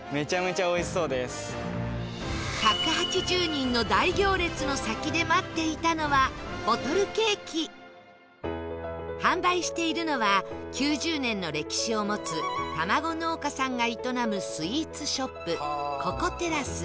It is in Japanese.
１８０人の大行列の先で待っていたのは販売しているのは９０年の歴史を持つ卵農家さんが営むスイーツショップココテラス